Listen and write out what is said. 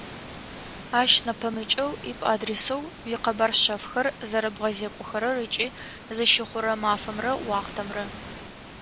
Ащ нэпэмыкӏэу, Ип-адресэу уикъэбар шъэфхэр зэрэбгъэзекӏохэрэр ыкӏи зыщыхъурэ мафэмрэ уахътэмрэ.